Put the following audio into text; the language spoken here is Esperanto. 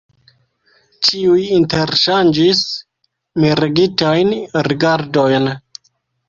Ĉiuj interŝanĝis miregitajn rigardojn.